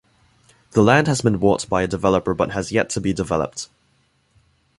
The land has been bought by a developer but has yet to be developed.